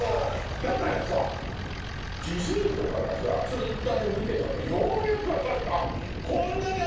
だからさじじいとかがずっとあれ見てたのようやく分かった。